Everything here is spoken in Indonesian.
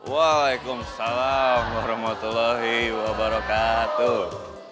waalaikumsalam warahmatullahi wabarakatuh